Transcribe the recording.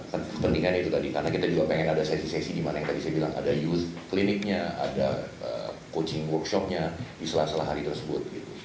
ketinggiannya itu tadi karena kita juga pengen ada sesi sesi di mana yang tadi saya bilang ada youth kliniknya ada coaching workshopnya di selah selah hari tersebut